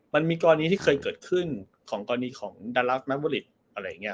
มันมีกรณีที่เคยเกิดขึ้นของกรณีของดาราสแมเวอริตอะไรอย่างนี้